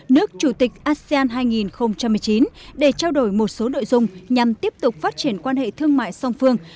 nước chủ tịch asean hai nghìn một mươi chín để trao đổi một số nội dung nhằm tiếp tục phát triển quan hệ thương mại song phương